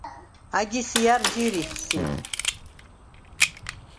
ა̈გის ჲა̈რ ჯირიხ სი?